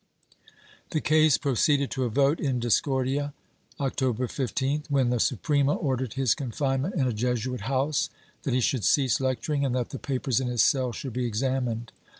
The case proceeded to a vote in discordia, October 15th, when the Suprema ordered his confinement in a Jesuit house, that he should cease lecturing, and that the papers in his cell should be examined.